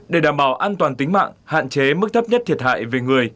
để đảm bảo an toàn tính mạng hạn chế mức thấp nhất thiệt hại về người